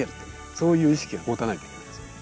そういう意識を持たないといけないですよね。